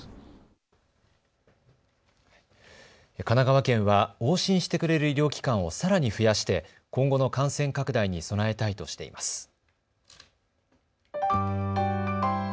神奈川県は往診してくれる医療機関をさらに増やして今後の感染拡大に備えたいとしています。